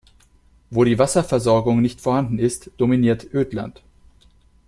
Wo die Wasserversorgung nicht vorhanden ist, dominiert Ödland.